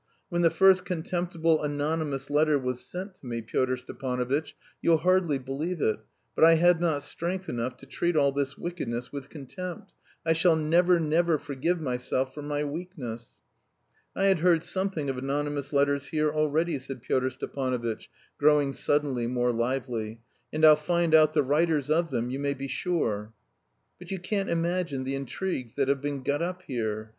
When the first contemptible anonymous letter was sent to me, Pyotr Stepanovitch, you'll hardly believe it, but I had not strength enough to treat all this wickedness with contempt.... I shall never, never forgive myself for my weakness." "I had heard something of anonymous letters here already," said Pyotr Stepanovitch, growing suddenly more lively, "and I'll find out the writers of them, you may be sure." "But you can't imagine the intrigues that have been got up here.